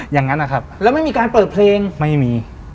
อย่างนั้นนะครับแล้วไม่มีการเปิดเพลงไม่มี